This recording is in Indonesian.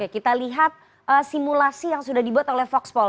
kita lihat simulasi yang sudah dibuat oleh foxpol